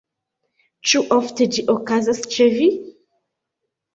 Ĉu ofte ĝi okazas ĉe vi?